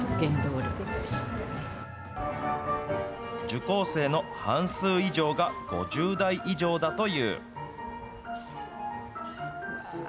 受講生の半数以上が５０代以上だという。